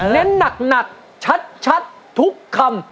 เน้นหนักชัดทุกคำ